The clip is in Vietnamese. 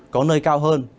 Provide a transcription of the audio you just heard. có nơi cao hơn